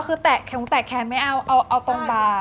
อ๋อคือแตะแขนไม่เอาเอาตรงบ่า